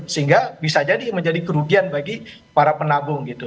sehingga bisa jadi menjadi kerugian bagi para penabung gitu